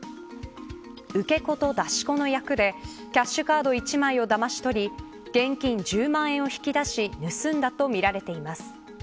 受け子と出し子の役でキャッシュカード１枚をだまし取り現金１０万円を引き出し盗んだとみられています。